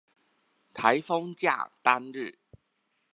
颱風假當日